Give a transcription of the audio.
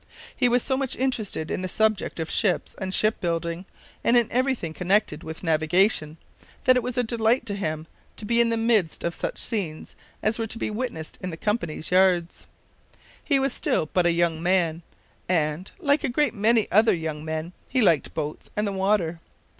He was so much interested in the subject of ships and ship building, and in every thing connected with navigation, that it was a delight to him to be in the midst of such scenes as were to be witnessed in the company's yards. He was still but a young man, and, like a great many other young men, he liked boats and the water.